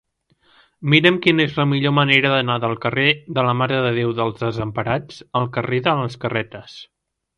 Mira'm quina és la millor manera d'anar del carrer de la Mare de Déu dels Desemparats al carrer de les Carretes.